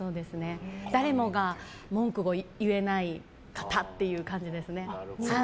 誰もが文句を言えない方っていう感じですね。